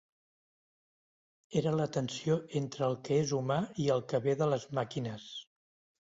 Era la tensió entre el que és humà i el que ve de les màquines.